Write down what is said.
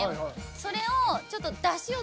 それをちょっと。